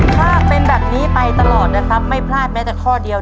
ถ้าเป็นแบบนี้ไปตลอดนะครับไม่พลาดแม้แต่ข้อเดียว